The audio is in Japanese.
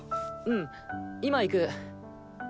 うん今行く。